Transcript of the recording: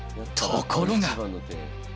ところが。